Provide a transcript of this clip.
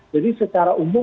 jadi secara umum